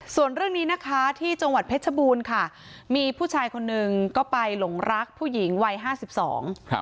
ส่วนเรื่องนี้นะคะที่จังหวัดเพชรบูรณ์ค่ะมีผู้ชายคนหนึ่งก็ไปหลงรักผู้หญิงวัยห้าสิบสองครับ